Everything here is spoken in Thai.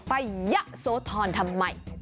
ยะโสธรทำไม